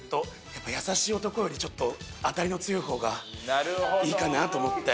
やっぱ優しい男よりちょっと当たりの強い方がいいかなと思って。